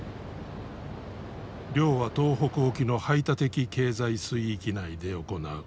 漁は東北沖の排他的経済水域内で行う。